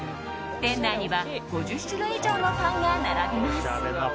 店内には５０種類以上のパンが並びます。